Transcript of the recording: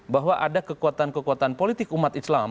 bahwa ada kekuatan kekuatan politik umat islam